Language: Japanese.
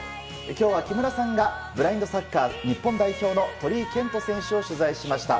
今日は木村さんがブラインドサッカー日本代表の鳥居健人選手を取材しました。